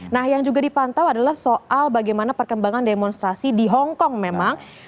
nah yang juga dipantau adalah soal bagaimana perkembangan demonstrasi di hongkong memang